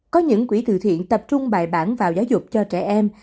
có những quỹ từ thiện tập trung bài bản vào giáo dục cho trẻ em